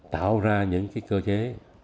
tạo ra những cái cơ chế